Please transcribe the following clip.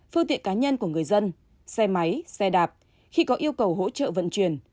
phương tiện cá nhân của người dân xe máy xe đạp khi có yêu cầu hỗ trợ vận chuyển